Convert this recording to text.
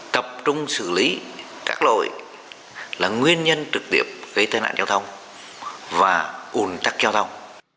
tập trung xử lý các lỗi là nguyên nhân trực tiếp gây tai nạn giao thông và ủn tắc giao thông